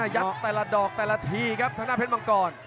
ยัดแต่ละดอกแต่ละทีครับทางด้านเพชรมังกร